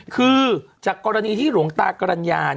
คือจากกวันนี้ที่หลวงตากรรยา